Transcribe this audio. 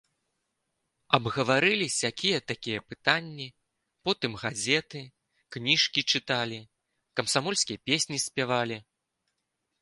Абгаварылі сякія-такія пытанні, потым газеты, кніжкі чыталі, камсамольскія песні спявалі.